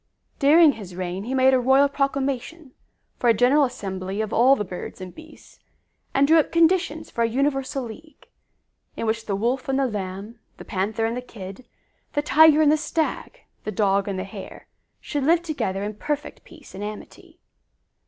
During his reign he made a royal proclamation for a general assembly of all the birds and beasts, and drew up conditions for a universal league, in which the Wolf and the Lamb, the Panther and the Kid, the Tiger and the Stag, the Dog and the Hare, should live together in perfect peace and amity.